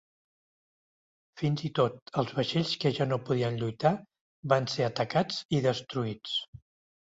Fins i tot els vaixells que ja no podien lluitar van ser atacats i destruïts.